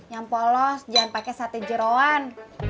yang polos jangan pakai sate jerawan